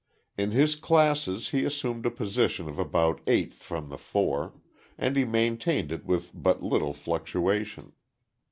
In his classes he assumed a position of about eighth from the fore; and he maintained it with but little fluctuation.